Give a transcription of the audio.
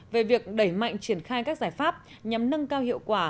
về việc đẩy mạnh triển khai các giải pháp nhằm nâng cao hiệu quả